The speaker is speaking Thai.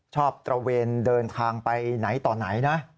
ตระเวนเดินทางไปไหนต่อไหนนะ